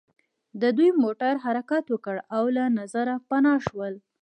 د دوی موټرو حرکت وکړ او له نظره پناه شول